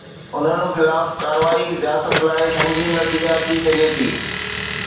انهن خلاف ڪارروائي رياست لاءِ سنگين نتيجا ٿي سگهي ٿي.